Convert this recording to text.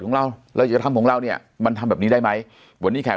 ของเราเราอย่าทำของเราเนี่ยมันทำแบบนี้ได้ไหมวันนี้แขก